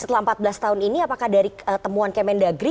setelah empat belas tahun ini apakah dari temuan kemendagri